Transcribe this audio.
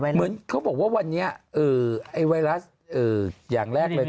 เหมือนเขาบอกว่าวันนี้ไอ้ไวรัสอย่างแรกเลย